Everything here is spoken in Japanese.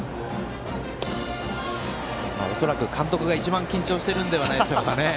恐らく、監督が一番緊張してるのではないですかね。